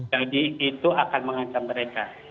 jadi itu akan mengancam mereka